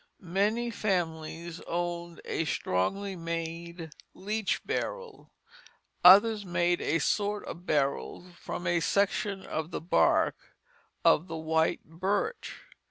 Many families owned a strongly made leach barrel; others made a sort of barrel from a section of the bark of the white birch.